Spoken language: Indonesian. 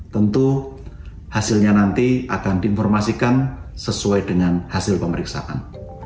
tentu hasilnya nanti akan diinformasikan sesuai dengan hasil pemeriksaan